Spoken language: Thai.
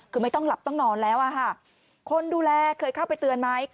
คือไม่ต้องหลับต้องนอนแล้วอะค่ะคนดูแลเคยเข้าไปเตือนไหม